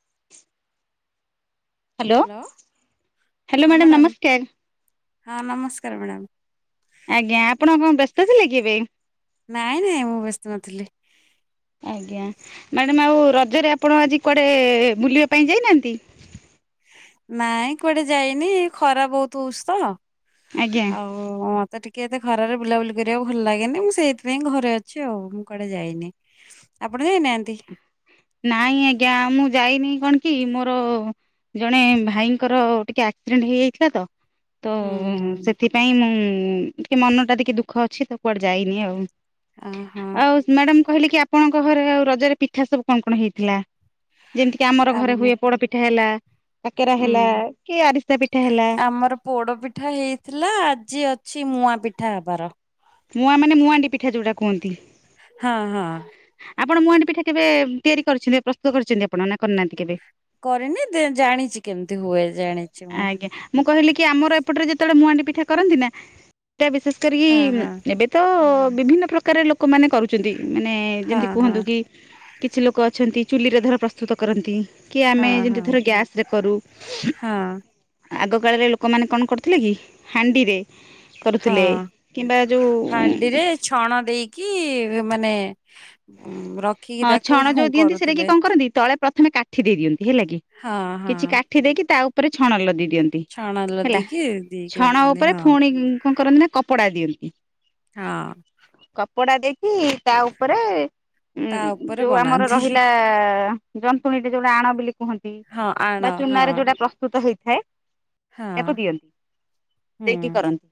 [inaudible] Hello hello hello ହଁ madam madam ନମସ୍କାର ହଁ ନମସ୍କାର ମାଡାମ୍। ଆଜ୍ଞା ଆପଣ କଣ ବ୍ୟସ୍ତ ଥିଲେ କି ଏବେ? ନାଇଁ ନାଇଁ ମୁଁ ବ୍ୟସ୍ତ ନଥିଲି। ଆଜ୍ଞା ମାଡାମ୍ ଆଉ ରଜରେ ଆପଣ ଆଜି କୁଆଡେ ବୁଲିବା ପାଇଁ ଯାଇନାହାନ୍ତି? ନାଇଁ କୁଆଡେ ଯାଇନି ଖରା ବହୁତୁ ଉସ୍ତ। ଆଜ୍ଞା। ଓ ମୋତେ ଟିକିଏ ଏତେ ଖରାରେ ବୁଲାବୁଲି କରିବାକୁ ଭଲ ଲାଗେନି। ମୁଁ ସେଇଥିପେଇଁ ଘରେ ଅଛି ଆଉ। ମୁଁ କୁଆଡେ ଯାଇନି। ଆପଣ ଯାଇନାହାନ୍ତି? ନାଇଁ ଆଜ୍ଞା ମୁଁ ଯାଇନି କଣ କି ମୋର ଜଣେ ଭାଇଙ୍କର ଟିକିଏ ଆକ୍ସିଡେଣ୍ଟ ହେଇଯାଇଥିଲା ତ। ତ ହୁଁ ହୁଁ ସେଥିପାଇଁ ମୁଁ ଟିକିଏମୁଁମନ ଟା ଟିକିଏ ଦୁଃଖ ଅଛି ତ କୁଆଡେ ଯାଇନି ଆଉ। ଅହୋ। ମାଡାମ କହିଲେ କି ଆପଣଙ୍କ ଘରେ ଆଉ ରଜରେ ପିଠା ସବୁ କଣ କଣ ହେଇଥିଲା? ଯେମିତି କି ଆମର ଘରେ ଆମ ହୁଏ। ପୋଡ ପିଠା ହେଲା କାକେରା ହେଲା ହୁଁ କି ଆରିସା ପିଠା ହେଲା। ପୋଡ଼ପିଠା ହେଇଥିଲା। ଆଜି ଅଛି ମୁୂଆଁ ପିଠା ହବାର। ମୁୂଆଁ ମାନେ ମୁଆଁ ହାଣ୍ଡି ପିଠା ଯୋଉଡା କୁହନ୍ତି? ହଁ ହଁ। ଆପଣ ମୁଆଁହାଣ୍ଡି ପିଠା କେବେ ତିଆରି କରିଥିବେ ପ୍ରସ୍ତୁତ କରିଚନ୍ତି ଆପଣ ନା କରିନାହାନ୍ତି କେବେ? କରେନି ଦେ ଜାଣିଚି କେମିତି ହୁଏ। ଜାଣିଚି ମୁଁ। ଆଜ୍ଞା ମୁଁ କହିଲି କି ଆମର ଏପଟରେ ଯେତେବେଳେ ମୁଆଁ ଆଣ୍ଡି ପିଠା କରନ୍ତି ନା ସେଟା ବିଶେଷ କରି ହଁ ହଁ ଏବେ ତୋ ବିଭିନ୍ନ ପ୍ରକାରର ଲୋକମାନେ କରୁଚନ୍ତି। ମାନେ ହଁ ଯେମିତି ହଁ କୁହନ୍ତୁ କି- କିଛି ଲୋକ ଅଛନ୍ତି ଚୁଲି ରେ ଧର ପ୍ରସ୍ତୁତ କରନ୍ତି। କି ଆମେ ହଁ ହଁ ଯେମିତି ଧର ଗ୍ୟାସ ରେ କରୁ। ହଁ। ଆଗ କାଳରେ ଲୋକମାନେ କଣ କରୁଥିଲେ କି ହାଣ୍ଡିରେ କରୁଥିଲେ। ହଁ। କିମ୍ବା ଯୋଉ- ହାଣ୍ଡିରେ ଛଣ ଦେଇକି ମାନେ ରଖ୍ ହଁ ଛଣ ଯୋଉ ଦିଅନ୍ତି ସେଟା କି କଣ କରନ୍ତି। ତଳେ ପ୍ରଥମେ କାଠି ଦେଇ ଦିଅନ୍ତି। ହେଲା କି ହଁ ହଁ କିଛି କା କାଠି ଦେଇକି ତା ଉପରେ ଛଣ ଲଦି ଦିଅନ୍ତି। ରନ୍ତି ଛଣ ହେଲା ଲଦିକି ଦେଇକି ଛଣ ରଖନ୍ତି ଉପରେ ହଁ ପୁଣି କଣ କରନ୍ତି ନା କପ୍ କପଡା ଦିଅନ୍ତି। ହଁ କପଡା ଦେଇକି ତା ଉପରେ- ଉଁ ତା ଉପରେ ଯୋଉ ଆମର ବନାନ୍ତି ରହିଲା ଜନ୍ତୁଣୀଟି ଯୋଉଟା ଆଣ ବୋଲି କୁହନ୍ତି ହଁ ଆଣ ବା ହଁ ଚୁନାରେ ଯୋଉଟା ପ୍ର- ପ୍ରୁସ୍ତୁତ ହେଇଥାଏ ହଁ ତାକୁ ଦିଅନ୍ତି। ହୁଁ ଦେଇକି କରନ୍ତି।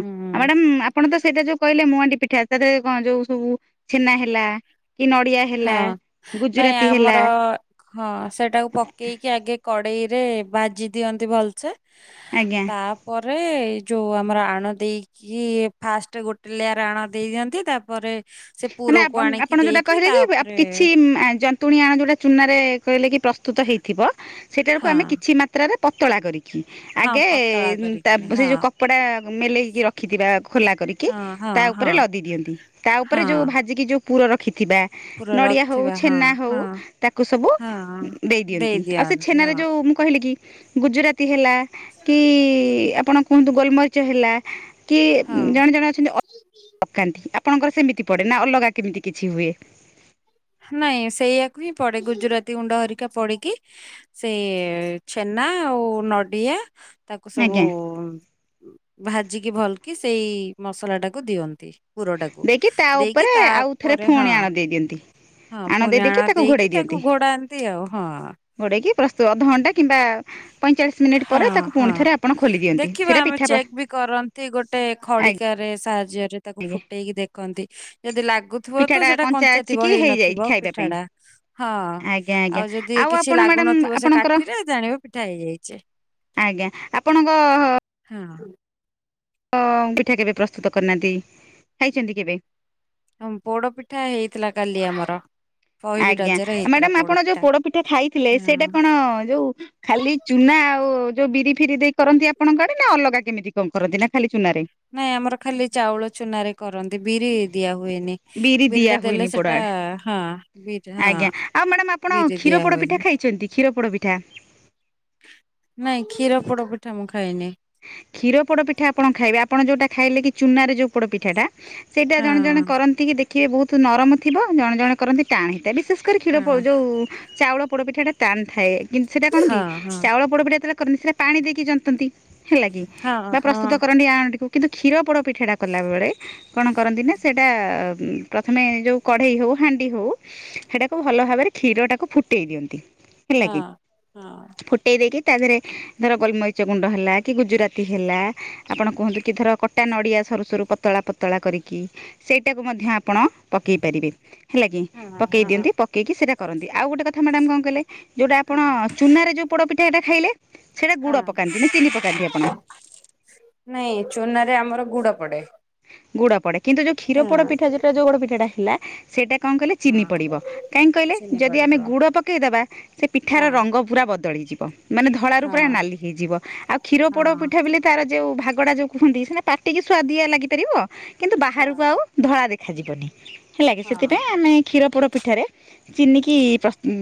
ହୁଁ। ଆଉ ମାଡାମ୍ ଆପଣ ତ ସେଇଟା ଯୋଉ କହିଲେ ମୁଆଁହାଣ୍ଡି ପିଠା ତାରେ କଣ ଯୋଉ ସବୁ। ଛେନା ହେଲା କି ନଡିଆ। ହଁ ହେଲା ନାଇଁ ଗୁଜୁରାତି ହେଲା ଆମର ହଁ ସେଟାକୁ ପକେଇକି ଆଗେ କଡ଼େଇ ରେ ଭାଜି ଦିଅନ୍ତି ଭଲ ସେ ଆଜ୍ଞା ତା ପରେ ଯୋଉ ଆମର ଆଣ ଦେଇକି କି [unintelligible] ଫାଷ୍ଟ ଗୋଟେ ଲେୟାର୍ ଆଣ ଦେଇ ଦିଅନ୍ତି। ତାପରେ ସେ ପୁରକୁ ଆଣିକି ଦେଇକି ଯୋଉ ଟା ତା [unintelligible] ଉପରେ କିଛିଆ ଜନ୍ତୁଣୀ ଆ [unintelligible] ଯୋଉଟା ଚୁନା ରେ କହିଲେ କି ପ୍ରସ୍ତୁତ ହେଇଥିବ। ସେଇଟା କୁ ହଁ ଆମେ କିଛି ମାତ୍ରାରେ ପତଳା କରିବୁ। ହଁ ଆଗେ ପତଳା ତା କରିକିନି ସେ ହଁ ଯୋଉ କପଡ଼ା ମେଲେଇକି ରଖିଥିବା ଖୋଲା କରିକି ହଁ ହଁ ତା ହଁ ଉପରେ ଲଦି ଦିଅନ୍ତି। ତା ଉପରେ ହଁ ଯୋଉ ଭାଜିିକି ଯୋଉ ପୁର ରଖିଥିବା ପୁରା ନଡ଼ିଆ ହଉ, ରଖିଥିବା ହଁ ଛେନା ହଉ ହଁ ତାକୁ ସବୁ ହଁ ଦେଇ ଦିଅନ୍ତି। ଆଉ ସେ ଛେନାରେ ଯୋଉ ମୁଁ କହିଲି କି ଗୁଜୁରାତି ହେଲା କି ଆପଣ କୁହନ୍ତୁ ଗୋଲମରି ଚ ହେଲା କି ହଁ ଜଣେ ଜଣେ ଅଛନ୍ତି ଅଦା ପକାନ୍ତି। ଆପଣଙ୍କର ସେମିତି ପଡ଼େ ନା ଅଲଗା କେମିତି କିଛି ହୁଏ? ନାଇଁ ସେଇ ଆକୁ ହିଁ ପଡ଼େ। ଗୁଜୁରାତି ଗୁଣ୍ଡ ହରିକା ପଡ଼ିକି ସେ ଛେନା ଆଉ ନଡ଼ିଆ ତାକୁ ସବୁ ଆଜ୍ଞା ଭାଜିକି ଭଲ କିି ସେଇ ମସଲା ଟାକୁ ଦିଅନ୍ତି। ପୁରଟାକୁ ଦେଇକି ତା ଦେଇକି ଉପରେ ଆଉ ଥରେ ତାପରେ ହଁ ପୁଣି ଆଣ ଦେଇ ଦିଅନ୍ତି। ହଁ ଦେଇ ପୁଣି ଆଣ ତାକୁ ଘୋଡ଼େଇ ଦେଇକି ଦିଅନ୍ତି ତାକୁ ଘୋଡ଼ାନ୍ତି ଆଉ ହଁ ଘୋଡ଼େଇକି ପ୍ରସ୍ତୁତ ଅଧଘଣ୍ଟା କିମ୍ବା ପଇଁଚାଳିଶ ମିନିଟ୍ ହଁ ପରେ ତାକୁ ହଁ ପୁଣି ଥରେ ଆପଣ ଖୋଲି ଦିଅନ୍ତି ଦେଖିବା ସେଇଟା ଆମେ ପିଠା ପ୍ର ଚେକ୍ ବି କରନ୍ତି। ଗୋଟେ ଆଜ୍ଞା ଖଡ଼ିକା ରେ ସାହାଯ୍ୟରେ ତାକୁ ଆଜ୍ଞା ଫୁଟେଇକି ଦେଖନ୍ତି। ଯଦି ଲାଗୁଥିବ ତ ପିଠାଟା ସେଇଟା କଞ୍ଚା ଅଛି କି ହେଇ ହେଇଯାଇଛି ନଥିବ ଖାଇବା ପିଠା ପାଇଁ ଟା ହଁ ଆଜ୍ଞା ଆଜ୍ଞା ଆଉ ଯଦି କିଛି ଆପଣ ମ୍ୟାଡ଼ାମ ଲାଗୁନଥିବ ସେ ଆପଣଙ୍କର କାଠିରେ ଜାଣିବେ ପିଠା ହେଇଯାଇଛି। ଆଜ୍ଞା ଆପଣଙ୍କ ହଁ [unintelligible] ହ ପିଠା [unintelligible] କେବେ ପ୍ରସ୍ତୁତ କରିନାହାନ୍ତି? ଖାଇଛନ୍ତି କେବେ ହଁ ପୋଡ଼ ପିଠା ହେଇଥିଲା କାଲି ଆମର। ପହିଲି ଆଜ୍ଞା ରଜରେ ହେଇଥିଲା ମ୍ୟାଡାମ୍ ପୋଡ ଆପଣ ଯୋଉ ପୋଡ଼ ପିଠା ଖାଇଥିଲେ ସେଇଟା ହଁ। କଣ ଯୋଉ ଖାଲି ଚୁନା ଆଉ ଯୋଉ ବିରି ଫିରି ଦେଇ କରନ୍ତି ଆପଣଙ୍କ ଆଡ଼େ ନା ଅଲଗା କେମିତି କଣ କରନ୍ତି ନା ଖାଲି ଚୁନାରେ? ନାଇଁ ଆମର ଖାଲି ଚାଉଳ ଚୁନାରେ କରନ୍ତି। ବିରି ଦିଆ ହୁଏନି ବିରି ଦିଆ ଟା ଦେଲେ ହୁଏନି ପୋଡ ସେଟା ଆଡେ ହଁ ବି ଆଜ୍ଞା ଆଉ ମ୍ୟାଡାମ୍ ଆପଣ କ୍ଷୀର ପୋଡ଼ ହୁଏନି। ପିଠା ଖାଇଛନ୍ତି? କ୍ଷୀର ପୋଡ଼ ପିଠା ନାଇଁ କ୍ଷୀର ପୋଡ଼ ପିଠା ମୁଁ ଖାଇନି। କ୍ଷୀର ପୋଡ଼ ପିଠା ଆପଣ ଖାଇବେ? ଆପଣ ଯୋ ଉଟା ଖାଇଲେ କି ଚୁନାରେ ଯୋଉ ପୋଡ଼ ପିଠା ଟା ସେଇଟା ହଁ ଜଣେ ଜଣେ କରନ୍ତି କି ଦେଖିବେ ବହୁତ ନରମ ଥିବ ଜଣେ ଜଣେ କରନ୍ତି ଟାଣ ସେଇଟା [unintelligible] ବିଶେଷ କରି କ୍ଷୀର ଟାଣ ଯୋଉ ଚାଉଳ ପୋଡ଼ ପିଠା ଟା ଟାଣ ଥାଏ। କିନ୍ତୁ ସେଇଟା କଣ କି ହଁ ଚାଉଳ ପୋଡ଼ପିଠା ଟା ଯେତେବେଳେ [unintelligible] କରନ୍ତି ସେଟା ପାଣି ଦେଇକି ଜନ୍ତନ୍ତି। ହେଲା କି ହଁ କ୍ଷୀର ହଁ ପ୍ରସ୍ତୁତ ହଁ। କରନ୍ତି। ଆଣଟିକୁ କିନ୍ତୁ କ୍ଷୀରପୋଡ଼ ପିଠା ଟା କଲା ବେଳେ କଣ କରନ୍ତି ନା ସେଇଟା ପ୍ରଥମେ ଯୋଉ କଢ଼େଇ ହଉ, ହାଣ୍ଡି ହଉ, ସେଟାକୁ ଭଲ ଭାବରେ କ୍ଷୀର ଟାକୁ ଫୁଟେଇ ଦିଅନ୍ତି। ହେଲା କି ହଁ ହଁ ଫୁଟେଇ ଦେଇକି ତା ଦେହରେ ଧର ଗୋଲମରିଚ ଗୁଣ୍ଡ ହେଲା କି ଗୁଜୁରାତି ହେଲା ଆପଣ କୁହନ୍ତୁ କି ଧର କଟା ନଡ଼ିଆ ସରୁ ସରୁ ପତଳା ପତଳା କରିକି ସେଇଟାକୁ ମଧ୍ୟ ଆପଣ ପକେଇ ପାରିବେ। ହେଲା କି ପକେଇ ହଁ ଦିଅନ୍ତି। ପକେଇକି ସେଇଟା କରନ୍ତି ଆଉ ଗୋଟେ କଥା ମ୍ୟାଡ଼ାମ୍ କଣ କହିଲେ? ଯୋଉଟା ହଁ ଆପଣ ଚୁନାରେ ଯୋଉ ପୋଡ଼ ପିଠା ଟା ଖାଇଲେ ସେଇଟା ଗୁଡ଼ ହଁ। ପକାନ୍ତି ନା ଚିନି ପକା କାନ୍ଧି ଆପଣ ନାଇଁ ଚୁନା ରେ ଆମର ଗୁଡ ପଡେ। ଗୁଡା ପଡେ କିନ୍ତୁ ଯୋଉ କ୍ଷୀର ହଁ ପୋଡ ପିଠା ଯୋଉ ପୋଡ ପିଠାଟା ହେଲା ସେଇଟା କଣ କହିଲେ ଚିନି ହଁ। ପଡ଼ିବ। କାହିଁକି କହିଲେ ଚିନି ଯଦି ପଡିବ ଆମେ ଗୁଡ଼ ପକାଇଦେବା ସେ ପିଠାର ହଁ ରଙ୍ଗ ବ ପୁରା ବଦଳିଯିବ। ମାନେ ଧଳାରୁ ହଁ ପୁରା ନାଲି ହେଇଯିବ। ଆଉ କ୍ଷୀର ପୋଡ଼ ହଁ। ପିଠା ବିଲି ତାର ଯୋଉ ଭାଗଡା ଯୋଉ କୁହନ୍ତି ସିନା ପାଟିକି ସୁୁଆଦିଆ ଲାଗିପାରିବ, କିନ୍ତୁ ହଁ ବାହାରକୁ ଆଉ ଧଳା ଦେଖ ଖାଯିବନି। ହେଲା କିି ହଁ ସେଥିପାଇଁ ଆମେ କ୍ଷୀରପୋଡ଼ ପିଠାରେ ଚିନିକି ପ ଉଁ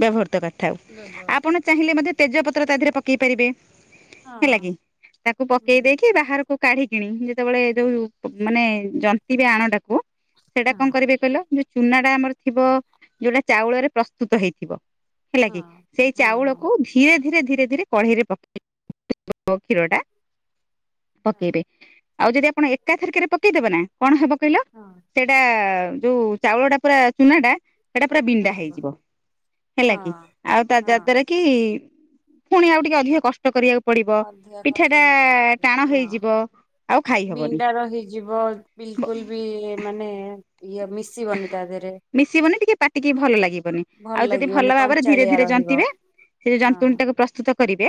ବ୍ୟବହୃତ କରିଥାଉ। ବ୍ୟବହାର ଆପଣ ଚାହିଁଲେ କରନ୍ତି ମଧ୍ୟ ତେଜପତ୍ର ତା ଦିହରେ ପକେଇ ପାରିବେ। ହେଲା କି? ହଁ। ତାକୁ ପକେଇ ଦେଇକି ବାହାରକୁ କାଢି କିଣି ଯେତେବେଳେ ଯୋଉ ମାନେ ଜନ୍ତିବେ ଆଣଟାକୁ ସେଇଟା ହଁ କଣ କରିବେ କହିଲ ଚୁନା ଟା ଆମର ଥିବ ଯୋଉଟା ଚାଉଳରେ ପ୍ରସ୍ତୁତ ହେଇଥିବ। ହେଲା ହଁ କି? ହଁ ସେଇ ହଁ ହଁ ଚାଉଳକୁ ଧୀରେ ଧୀ ଧୀରେ ଧୀରେ ଧୀରେ କଢେଇରେ ପକେଇ [unintelligible] କ୍ଷୀର ଟା। ପକେଇବେ। ଆଉ ଯଦି ଆପଣ ଏକା ଥରକେରେ ପକେଇଦେବେ ନା କଣ ହବ କହିଲ? ହଁ। ସେଇଟା ଯୋଉ ଚାଉଳ ଟା ପୁରା ଚୁନା ଟା ସେଇଟା ପୁରା ବିଣ୍ଡା ହଁ ହଁ ହଁ। ହେଇଯିବ। ହେଲା କି? ହଁ ଆଉ ତା ଯା ଦ୍ବାରା କି? କି ପୁଣି ଆଉ ଟିକେ ଅଧିକ କଷ୍ଟ କରିଆକୁ ପଡିବ। ଅଧିକା ପିଠା କଷ୍ଟ ଟା କରିବାକୁ ଟାଣ ହେଇଯିବ। ଆଉ ଖାଇହେବନି। ଟାଣ ହେଇଯିବ। ବିଲକୁଲ ବି ମାନେ ଇଏ ମିଶିବନି ତା ଦେହରେ। ମିଶିବନି ଟିକେ ପାଟିକି ଭଲ ଲାଗିବନି। ଭଲ ଆଉ ଯଦି ଲାଗିବନି ଭଲ ଭାବରେ ଧୀରେ କଞ୍ଚାଳିଆ ଧୀରେ ରହିବ ଜନ୍ତିବେ ସେ ଯାନ୍ତୁଣ ହଁ। ଟାକୁ ପ୍ରସ୍ତୁତ କରିବେ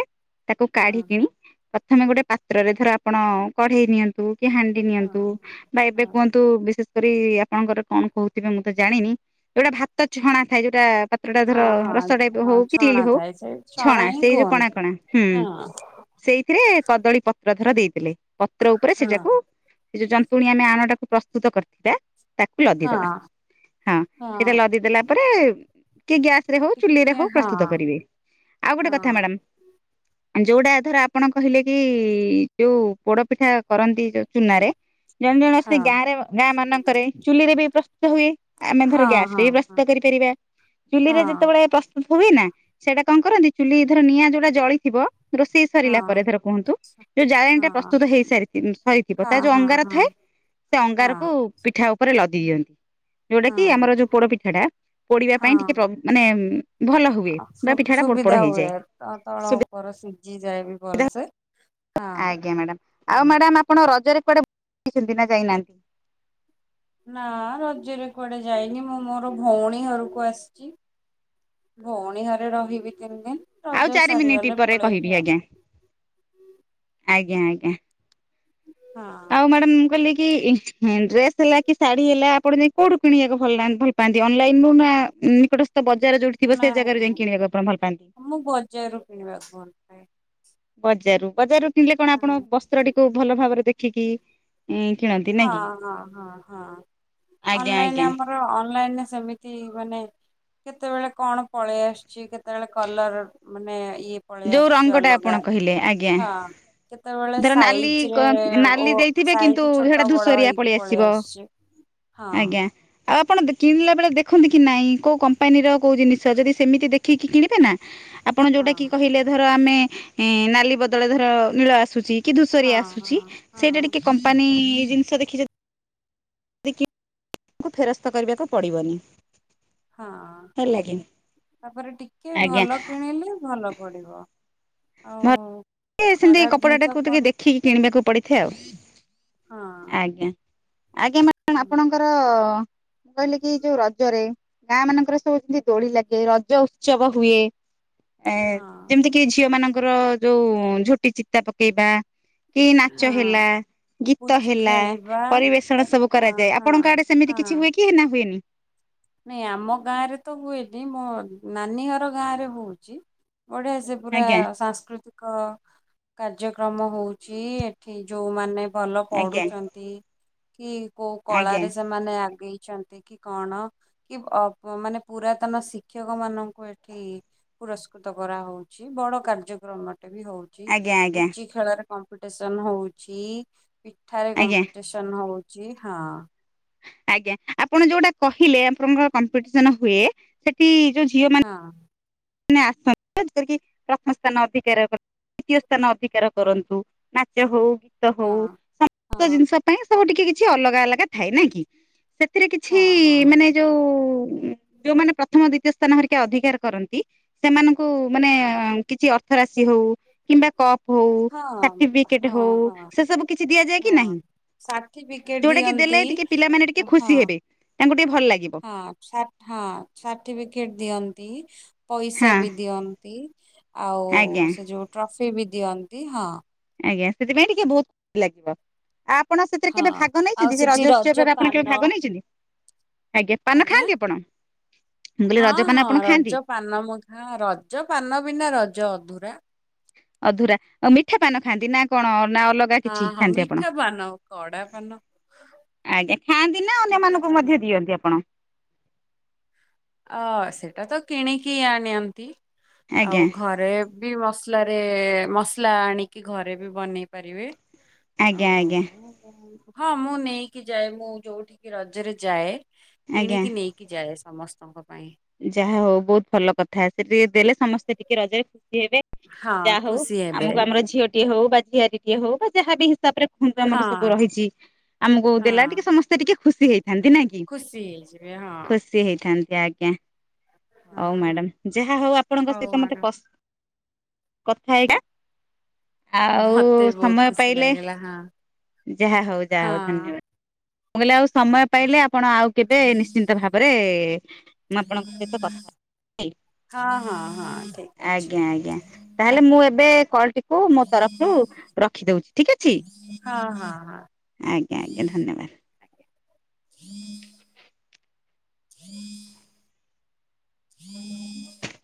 ତାକୁ ହଁ। କାଢି କିଣି ପ୍ରଥମେ ଗୋଟେ ପାତ୍ରରେ ଧର ଆପଣ କଢେଇ ନିଅନ୍ ନ୍ତୁ କି ହାଣ୍ଡି ନିଅନ୍ତୁ ହଁ। ବା ଏବେ ହଁ କୁହନ୍ତୁ ବିଶେଷ କରି ଆପଣଙ୍କର କଣ କହୁଥିବେ ମୁଁ ତ ଜାଣିନି। ଯୋଉଟା ଭାତ ଛଣା ଥାଏ ଯୋଉଟା ଭା ଯୋଉ ଟା ଧର ହଁ ହଁ ରସ ଟାଇପ ହଁ ହୋଉ କି ଛଣା [unintelligible] ହୋଉ ଥାଏ ସେ ଛଣା ହିଁ ସେଇ ଯୋଉ କଣା କୁହନ୍ତି। କଣା ହୁଁ। ହଁ ସେଇଥିରେ କଦଳୀ ପତ୍ର ଧର ଦେଇଥିଲେ। ପତ୍ର ଉପରେ ହଁ ସେଯାକୁ ସେ ଯୋଉ ଯନ୍ତୁଣୀ ଆମେ ଆଣଟାକୁ ପ୍ରସ୍ତୁତ କରିଥିବା ତାକୁ ହଁ ଲଦିଦବା। ହଁ ସେଇଟା ଲଦିଦଲା ପରେ କିଏ ଗ୍ୟାସ ରେ ହଉ ଚୁଲିରେ ଟିକେ ହଉ ହଁ ପ୍ରସ୍ତୁତ କରିବେ। ଆଉ ଗୋଟେ କଥା ହଁ। ମ୍ୟାଡ଼ାମ। ଯୋଉଟା ଧର ଆପଣ କହିଲେ କି ଯୋଉ ପୋଡ ପିଠା କରନ୍ତି ଯୋଉ ଚୁନରେ। ଜଣେ ଜଣେ ଅଛନ୍ତି ହଁ ଗାଁରେ ଗାଁ ମାନଙ୍କରେ ଚୁଲିରେ ବି ପ୍ରସ୍ତୁତ ହୁଏ। ଆମେ ଧର ହଁ ଗ୍ୟାସ ରେ ହଁ ବି ପ୍ରସ୍ତୁତ କରିପାରିବା। ଚୁଲିରେ ହଁ ଯେତେବେଳେ ପ୍ରସ୍ ତୁ ତ ହୁଏ ନା ସେଇଟା କଣ କରନ୍ତି ଚୁଲି ଧର ନିଆଁ ଯୋଉଟା ଜଳିଥିବ ରୋଷେଇ ସରିଲା ପରେ ହଁ ଧର କୁହନ୍ତୁ। ଯୋଉ ଜାଳେଣୀ ହଁ ଟା ପ୍ରସ୍ତୁତ ହେଇସାରି ସରିଥିବ ସରିଥିବ ତା ହଁ ଯୋଉ ହଁ ହଁ ଅଙ୍ଗାର ଥାଏ ସେ ଅଙ୍ଗାରକୁ ହଁ। ପିଠା ଉପରେ ଲଦି ଦିଅନ୍ତି। ଯୋଉଟା ହଁ କି ଆମର ଯୋଉ ପୋଡ ପିଠାଟା ପୋଡିବା ପାଇଁ ଟିକେ ହଁ ପ୍ର ମାନେ ଭଲ ହୁଏ। ବା ପିଠାଟା ପୋଡ଼ପଡ଼ ହେଇଯାଏ। ତ ତଳ ଉପର ସିଜିଯାଏ ବି ଭଲସେ। ହଁ। ଆଜ୍ଞା ମ୍ୟାଡ଼ାମ୍। ଆଉ ମ୍ୟାଡ଼ାମ୍ ଆପଣ ରଜରେ କୁଆଡ଼େ ବୁ--ଛନ୍ତି ନା ଯାଇନାହାନ୍ତି? ନା ରଜରେ କୁଆଡେ ଯାଇନି ମୁଁ ମୋର ଭଉଣୀ ଘରକୁ ଆସିଚି। ଭଉଣୀ ଘରେ ରହିବି ତିନି ଦିନି। ଆଉ ଚାରି ମିନିଟ୍ ପରେ କହିବି ଆଜ୍ଞା। ଆଜ୍ଞା ଆଜ୍ଞା। ହଁ। ମ୍ୟାଡ଼ାମ ମୁଁ କହିଲି କି ଏଇ ଡ୍ରେସ ହେଲା କି ଶାଢୀ ହେଲା ଆପଣ ଯାଇ କୋଉଠୁ କିଣିଆକୁ ଭଲା ଭଲ ପା ପାନ୍ତି ଅନଲାଇନ ରୁ ନା ନିକଟ ତ ବଜାର ଯୋଉଠି ଥିବ ସେ ନାଇଁ ଜାଗାରୁ ଯାଇ ନାଇଁ କିଣିବାକୁ ଆପଣ ଭଲ ପାଆନ୍ତି? ମୁଁ ବଜାରରୁ କିଣିବାକୁ ଭଲ ପାଏ ବଜାରରୁ, ବଜାର ରୁ କିଣିଲେ କଣ ଆପଣ ହଁ ବସ୍ତ୍ରଟିକୁ ଭଲ ଭାବରେ ଦେଖିକି ଉଁ କିଣନ୍ତି ନାଇଁ ହଁ କି? ହଁ ହଁ ଆଜ୍ଞା ଆଜ୍ଞା ହଁଲାଇନ ଆ ଅନଲାଇନରେ ସେମିତି ମାନେ କେତେବେଳେ କଣ ପଳେଇ ଆସିଛି, କେତେବେଳେ କଲର ମାନେ ଇଏ ପଳେଇ ଯୋଉ ଆସୁଛି ରଙ୍ଗଟା ଆପଣ ଅଲଗା, କହିଲେ ଆଜ୍ଞା ହଁ କେତେବେଳେ ଧର ନାଲି ସାଇଜିରେ ନାଲି ଓଁ ଦେଇଥିବେ କିନ୍ତୁ ସାଇଜି ସେଟା ଛୋଟ ବଡ ଧୂସରିଆ ହେଇକି ପଳେଇ ଆସିବ ଆସୁଛି ହଁ। ଆଉଁ ଆପଣ କିଣିଲା ବେଳେ ଦେଖନ୍ତିକି ନାଇଁ, କୋଉଁ କମ୍ପାନୀର କୋଉ ଜିନିଷ, ଯଦି ସେମିତି ଦେଖିକି କିଣିବେ ନାଁ ଆପଣ ଯୋଉଁଟା କିି ହଁ କହିଲେ ଧର ଆମେ ଏ ନାଲି ବଦଳରେ ଧର ନୀଳ ଆସୁଛି। କି ଧୂଷରିଆ ହଁ ଆସୁଛି ହଁ ସେଇଟା ହଁ ଟିକେ କମ୍ପାନୀ ଜିନିଷ ଦେଖି ଯଦି ବିକୀ ବ୍ ଫେରସ୍ତ କରିବାକୁ ପଡିବନି ହଁ। ହେଲା କି। ତାପରେ ଟିକେ ଆଜ୍ଞା ଭଲ କିଣିଲେ ଭଲ ପଡିବ ଆଉଁ। ଏଁ ସେମିତି କପଡାଟାକୁ ଟିକେ ଦେଖିକି କିଣିବାକୁ ପଡିଥାଏ ଆଉଁ ହଁ ଆଜ୍ଞା। ଆଜ୍ଞା ହଁ ମାଡାମ ଆପଣଙ୍କର କହିଲେକି ଯୋଉଁ ରଜରେ ଗାଁ ମାନଙ୍କରେ ସବୁ ଯେମିତି ଦୋଳି ଲାଗେ ରଜ ଉତ୍ସବ ହୁଏ। ଏଁ ହଁ ଯେମିତି କିି ଝିଅ ମାନଙ୍କର ଯୋଉଁ ଝୋଟି ଚିତା ପକେଇବା। କି ନାଚହେଲା। ହଁ ଗୀତ ପୁଚି ହେଲା, ଖେଳିବା ପରିବେଷଣ ସବୁ ଅ କରାଯାଏ, ହଁ ଆପଣଙ୍କ ଆଡେ ସେମିତି ହଁ କିଛି ହୁଏ କି ନାଁ ହୁଏନି। ନାଇଁ ଆମ ଗାଁ ରେ ତ ହୁଏନି, ମୋ ନାନୀ ଘର ଗାଁ ରେ ହଉଛି ବଢିଆ ସେ ପୁରା ଆଜ୍ଞା ସାଂସ୍କୃତିକ କାର୍ଯ୍ୟକ୍ରମ ହଉଛି, ଏଠିଁ ଯୋଉଁ ମାନେ ଭଲ ଆଜ୍ଞା ପଢୁଛନ୍ତି କି କୋଉଁ ଆଜ୍ଞା କଳାରେ ସେମାନେ ସେମାନେ ଆଗେଇଛନ୍ତି କି କଣ କି ଅଁ ମାନେ ପୁରାତନ ଶିକ୍ଷକ ମାନଙ୍କୁ ଏଠିଁ ପୁରସ୍କୃତ କରାହଉଁଛି ବଡ କାର୍ଯ୍ୟକ୍ରମଟେ ବି ହଉଛି। ଆଜ୍ଞା ଆଜ୍ଞା ପୁଞ୍ଚି ଖେଳ କମ୍ପିଟିସନ ହଉଛି, ପିଠାରେ ଆଜ୍ଞା କମ୍ପିଟିସନ। ସେନ ହଉଛି ହଁ। ଆଜ୍ଞା ଆପଣ ଯୋଉଁଟା କହିଲେ, ଆପଣଙ୍କର କମ୍ପିଟିସନ ହୁଏ, ସେଠିଁ ଯୋଉ ଝିଅ ମାନ ହଁ। ମାନେ ଆସନ୍ତୁ ପ୍ରଥମଥର କରିକି ସ୍ଥାନ ଅଧିକାର ଦିତୀୟ ସ୍ଥାନ ଅଧିକାର କରନ୍ତୁ। ନାଚ ହଉ, ଗୀତ ହଉ ହଁ ସମସ୍ତ ଜିନିଷ ପାଇଁ ଏସବୁ ଟିକେ କିଛି ଅଲଗା ଅଲଗା ଥାଏ, ନାଇଁ କି ସେଥିରେ କିଛି ହଁ ହଁ ମାନେ ଯୋଉଁ ଯୋଉମାନେ ପ୍ରଥମ, ଦିତୀୟ ସ୍ଥାନ ହରିକା ଅଧିକାର କରନ୍ତି ସେମାନଙ୍କୁ ଙ୍କୁ ମାନେ ହଁ କିଛି ଅର୍ଥ ରାଶି ହଉଁ କିମ୍ବା କପ୍ ହଉଁ, ହଁ ହଁ ସାଟିଫିକେଟେ ହଁ ହଉଁ ହଁ ସେସବୁ କିଛି ଦିଆଯାଏ କି ହଁ ନାହିଁ? ସାର୍ଟିଫିକେଟ ଯୋଉଟା କି ଦିଅନ୍ତି ଦେଲେ, ଟିକେ ପିଲାମାନେ ଟିକେ ଖୁସି ହଁ ହେବେ ତାଙ୍କୁ ଟିକେ ଭଲ ଲାଗିବ। ହଁ ସାଟ ହଁ, ସାର୍ଟିଫିକେଟ ଦିଅନ୍ତି। ପଇସା ହଁ ବି ଦିଅନ୍ତି, ଆଉଁ ଆଜ୍ଞା ସେଯୋଉ ଟ୍ରଫି ବି ଦିଅନ୍ତି ହଁ ଆଜ୍ଞା ସେଥିପାଇଁ ଟିକେ ବହୁତ ଖୁସି ଲାଗିବ ଆଁ ପ୍ ଆପଣ ସେଥିରେ ହଁ କେବେ ଭାଗ ଆଉ ନେଇଛନ୍ତି, ସେ ସେଠି ରଜ ରଜଉତ୍ସବରେ ଆପଣ କେବେ ପାନ ଭାଗ ନେଇଛନ୍ତି? ଆଜ୍ଞା ପାନ ଖାଁନ୍ତୀ ଆପଣ, ମୁଁ କହିଲି ହଁ ରଜପାନ ହଁ ଆପଣ ଖାଆନ୍ତି? ରଜ ପାନ ମୁଁ ଖାଁ ରଜପାନ ବିନା ରଜ ଅଧୁରା ଅଧୁରା ମିଠା ପାନ ଖାଆନ୍ତି ନା କଣ ନାଁ ଅଲଗା? ହଁ କିଛି ହଁ ଖାଆନ୍ତି ଆପଣ? ମିଠା ପାନ, କଡ଼ା ପାନ। ଆଜ୍ଞା ଖାଆନ୍ତି ନାଁ ମିଠା ଅନ୍ୟମାନଙ୍କୁ ପାନ ମଧ୍ୟ ଦିଅନ୍ତି ଆପଣ? ଓଁ ସେଇଟା ତ କିଣିକି ଆଣନ୍ତି ଆଜ୍ଞା ଆଉଁ ଘରେ ବି ମସଲାରେ ମସଲା ଆଣିକି ଘରେ ବି ବନେଇ ପାରିବେ। ଆଜ୍ଞା ଆଜ୍ଞା। ହଁ। ହଁ ମୁଁ ନେଇକି ଯାଏ ମୁଁ ଯୋଉଁଠିଁକି ରଜରେ ଯାଏ ଆଜ୍ଞା। କିଣିକି ନେଇକି ଯାଏ ସମସ୍ତେ ତାଙ୍କ ପାଇଁ। ଯାହାହଉ ବହୁତ ଭଲ କଥା ସେତିକି ଦେଲେ ସମସ୍ତେ ଟିକେ ରଜରେ ଖୁସି ହେବେ। ହଁ ଯାହା ହଉ ଖୁସି ହେବେ ଆମକୁ ଆମର ଝିଅଟିଏ ହଉ ବା ଝିଆରିଟିଏ ହୋଇ ବା ଯାହା ବି ହିସାବରେ ହୁଁନ୍ତୁ ହଁ ଆମର ସବୁ ରହିଛି ଆମକୁ ହଁ ଦେଲା ଟିକେ ସମସ୍ତେ ଟିକେ ଖୁସି ହେଇଥାନ୍ତି ନାଇଁକି? [unintelligible] ଖୁସି ହେଇଥାନ୍ତେ ଆଜ୍ଞା। ହଉ ହଁ ମ୍ୟାଡାମ ଯାହା ହଉ ଆପଣଙ୍କ ସହିତ ମତେ କଥା କଥା ଏଇଟା। ଆଉ ମତେ ବି ବହୁତ ସମୟ ଖୁସି ପାଇଲେ ଲାଗିଲା ହଁ ଯାହା ହଉ ଯାହା ହଉ ହଁ ଧନ୍ୟବାଦ। ମୁଁ କହିଲି ଆଉ ସମୟ ପାଇଲେ ଆପଣ ଆଉ କେବେ ନିଶ୍ଚିନ୍ତ ଭାବରେ ମୁ ଆପଣଙ୍କ ସହିତ କଥା ହେବି। ହଁ ହଁ ହଁ ଠିକ ଅଛି ଆଜ୍ଞା ଆଜ୍ଞା ହଁ ତାହେଲେ ମୁଁ ଏବେ କଲ ଟିକୁ ମୋ ତରଫରୁ ରଖ ଖି ଦଉଚି ଠିକ ଅଛି। ହଁ ହଁ ହଁ। ଆଜ୍ଞା ଆଜ୍ଞା ଧନ୍ୟବାଦ। [inaudible] [inaudible] [inaudible]